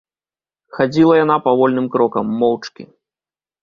Хадзіла яна павольным крокам, моўчкі.